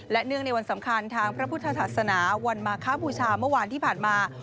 และเนื่องในวันสำคัญทางพระพุทธศาสนาวันมาคบูชาเมื่อวานที่ผ่านมา